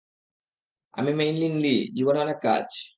আমি Meilin Lee, জীবনে অনেক কাজ।